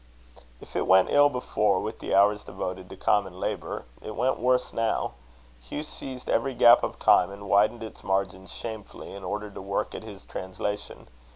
If it went ill before with the hours devoted to common labour, it went worse now. Hugh seized every gap of time, and widened its margins shamefully, in order to work at his translation.